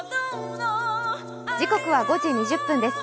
時刻は５時２０分です。